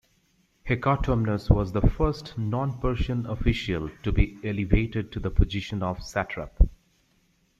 Hecatomnus was the first non-Persian official to be elevated to the position of satrap.